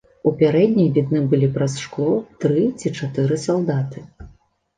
У пярэдняй відны былі праз шкло тры ці чатыры салдаты.